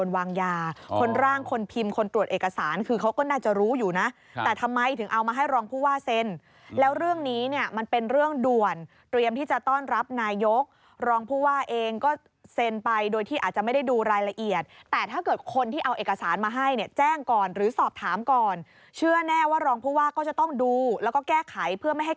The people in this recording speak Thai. วางยาคนร่างคนพิมพ์คนตรวจเอกสารคือเขาก็น่าจะรู้อยู่นะแต่ทำไมถึงเอามาให้รองผู้ว่าเซ็นแล้วเรื่องนี้เนี่ยมันเป็นเรื่องด่วนเตรียมที่จะต้อนรับนายกรองผู้ว่าเองก็เซ็นไปโดยที่อาจจะไม่ได้ดูรายละเอียดแต่ถ้าเกิดคนที่เอาเอกสารมาให้เนี่ยแจ้งก่อนหรือสอบถามก่อนเชื่อแน่ว่ารองผู้ว่าก็จะต้องดูแล้วก็แก้ไขเพื่อไม่ให้